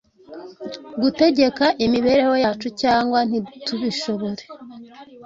gutegeka imibereho yacu cyangwa ntitubishobore.